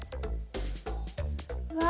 うわ！